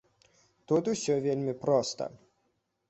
Тут усё вельмі проста.